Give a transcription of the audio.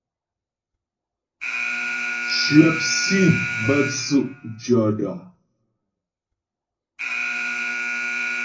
Cwəp sǐ bə́ tsʉ' mtʉ̂ɔdəŋ.